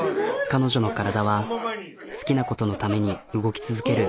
彼女の体は好きなことのために動き続ける。